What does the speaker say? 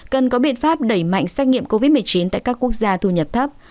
cần có biện pháp đẩy mạnh xét nghiệm covid một mươi chín tại các quốc gia thu nhập thấp